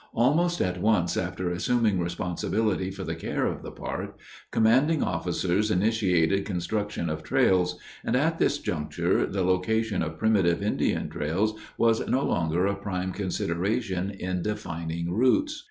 Almost at once after assuming responsibility for the care of the park, commanding officers initiated construction of trails, and at this juncture the location of primitive Indian trails was no longer a prime consideration in defining routes.